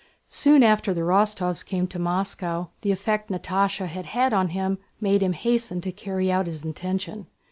Soon after the Rostóvs came to Moscow the effect Natásha had on him made him hasten to carry out his intention.